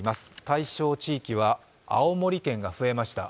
対象地域は青森県が増えました。